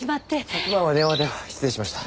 昨晩は電話で失礼しました。